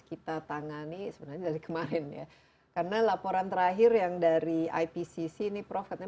kita tangani sebenarnya dari kemarin ya karena laporan terakhir yang dari ipcc ini prof katanya